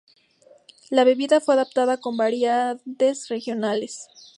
La bebida fue adoptada con variantes regionales.